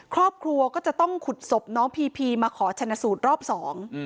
ครอบครัวก็จะต้องขุดศพน้องพีพีมาขอชนะสูตรรอบสอง